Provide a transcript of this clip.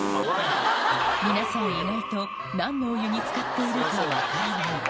皆さん、意外と、なんのお湯につかっているのか分からない。